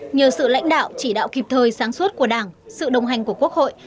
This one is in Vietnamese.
nhờ sự lãnh đạo chỉ đạo kịp thời sáng suốt của đảng sự đồng hành của quốc hội